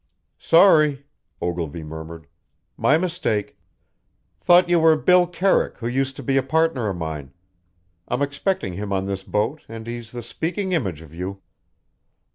"Sorry," Ogilvy murmured. "My mistake! Thought you were Bill Kerrick, who used to be a partner of mine. I'm expecting him on this boat, and he's the speaking image of you."